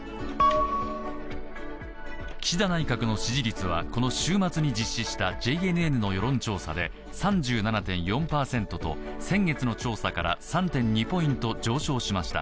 岸田内閣の支持率はこの週末に実施したＪＮＮの世論調査で３７．４％と、先月の調査から３．２ポイント上昇しました。